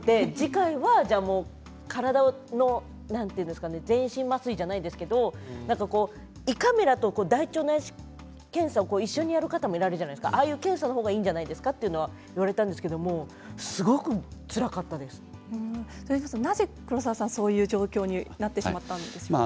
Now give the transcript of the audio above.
１回は体の全身麻酔じゃないですけど胃カメラと大腸内視鏡検査を一緒にやる方もいるじゃないですか、ああいう検査のほうがいいんじゃないですかって言われたんなぜ、そういう状況になってしまったんでしょうか。